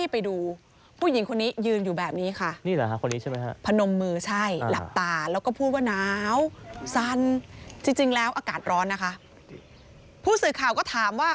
ผู้สื่อข่าวก็ถามว่า